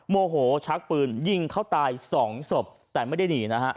โมโหชักปืนยิงเขาตายสองศพแต่ไม่ได้หนีนะฮะ